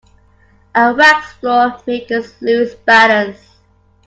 A waxed floor makes us lose balance.